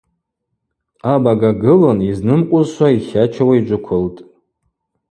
Абага гылын йызнымкъвузшва йтлачауа йджвыквылтӏ.